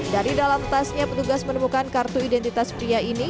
dari dalam tasnya petugas menemukan kartu identitas pria ini